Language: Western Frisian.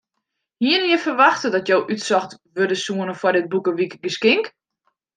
Hiene je ferwachte dat jo útsocht wurde soene foar dit boekewikegeskink?